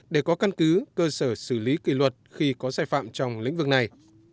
để có căn cứ cơ sở xử lý kỷ luật khi có sai phạm trong lĩnh vực này